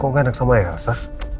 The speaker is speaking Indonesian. kok gak enak sama elsa